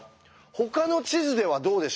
ほかの地図ではどうでしょう？